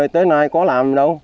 tới nay có làm đâu